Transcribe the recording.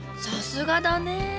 さすがだねぇ。